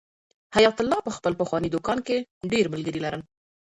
حیات الله په خپل پخواني دوکان کې ډېر ملګري لرل.